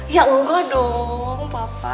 ya enggak dong papa